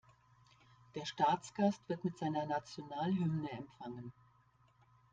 Der Staatsgast wird mit seiner Nationalhymne empfangen.